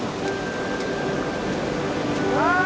ああ！